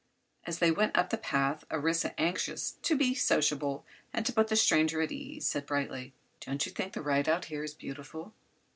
As they went up the path Orissa, anxious to be sociable and to put the stranger at her ease, said brightly: "Don't you think the ride out here is beautiful?"